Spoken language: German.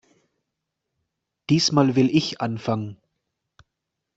Diesmal will ich anfangen.